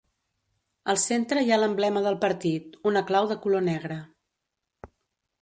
Al centre hi ha l'emblema del partit, una clau de color negre.